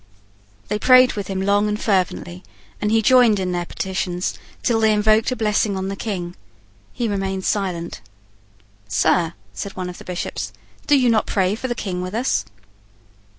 They prayed with him long and fervently; and he joined in their petitions till they invoked a blessing on the King. He remained silent. "Sir," said one of the Bishops, "do you not pray for the King with us?"